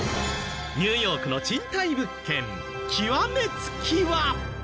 ニューヨークの賃貸物件極めつきは。